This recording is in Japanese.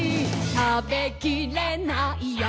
「食べきれないや」